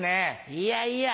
いやいや。